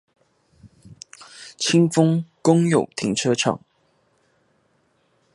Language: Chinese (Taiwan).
清豐公有停車場